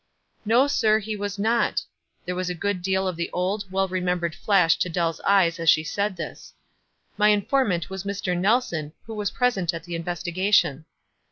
"No, sir, he was not." There was a crood deal of the old, well remembered flash to Dell's eyes as she said this. "My informant was Mr. Nelson, who was present at the investigation."